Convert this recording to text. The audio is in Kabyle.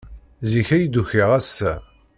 Zik ay d-ukiɣ ass-a.